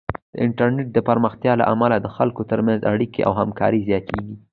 د انټرنیټ د پراختیا له امله د خلکو ترمنځ اړیکې او همکاري زیاتېږي.